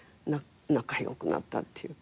仲良くなったっていうか。